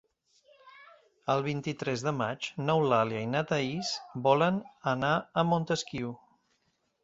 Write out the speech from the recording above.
El vint-i-tres de maig n'Eulàlia i na Thaís volen anar a Montesquiu.